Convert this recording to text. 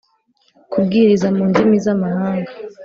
Kubwiriza mu ndimi z amahanga